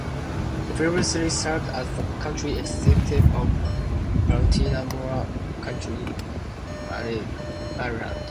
He previously served as County Executive of Baltimore County, Maryland.